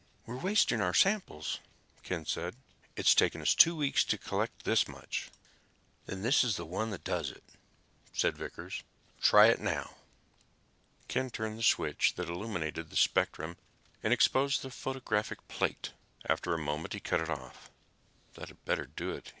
"We're wasting our samples," Ken said. "It's taken two weeks to collect this much." "Then this is the one that does it," said Vickers. "Try it now." Ken turned the switch that illuminated the spectrum and exposed the photographic plate. After a moment, he cut it off. "That had better do it!"